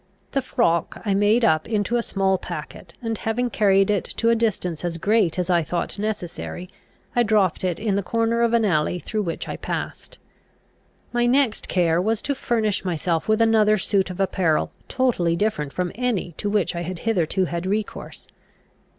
The frock I made up into a small packet, and, having carried it to a distance as great as I thought necessary, I dropped it in the corner of an alley through which I passed. My next care was to furnish myself with another suit of apparel, totally different from any to which I had hitherto had recourse.